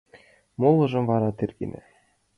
Молыжым вара тергена.